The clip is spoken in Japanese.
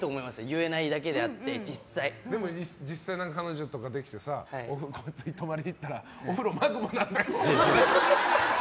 言えないだけであってでも、実際に彼女とかできて泊まりに行ったらお風呂マグマなんだよねって。